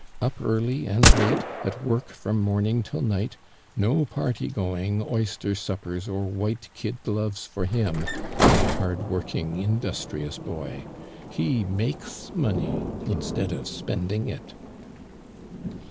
Vp early and late — at work from morning till night ; no party going, oyster suppers, or white kid gloves for him, my hard working, industrious boy. Ho makes money instead of spending it."